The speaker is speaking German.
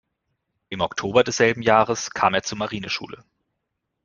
Im Oktober desselben Jahres kam er zur Marineschule.